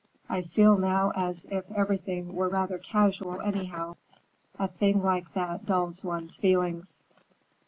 I feel now as if everything were rather casual, anyhow. A thing like that dulls one's feelings."